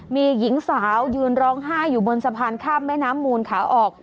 มีหญิงสาวยืนร้องไห้อยู่บนสะพานข้ามแม่น้ำมูลขาออก